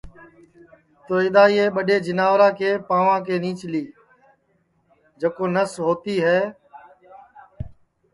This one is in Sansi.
تو اِدؔا یہ ٻڈؔے جیناورا کے پاںؤا کے نیچلی جکو نس ہوتی ہے نہ